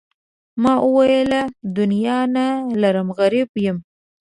ما وویل دنیا نه لرم غریب یم.